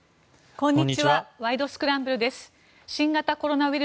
こんにちは。